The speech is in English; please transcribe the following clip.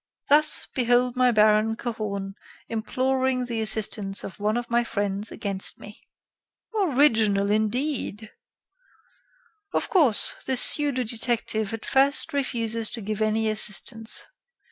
Thus, behold my Baron Cahorn imploring the assistance of one of my friends against me." "Original, indeed!" "Of course, the pseudo detective at first refuses to give any assistance.